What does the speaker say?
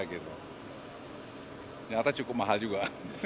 ternyata cukup mahal juga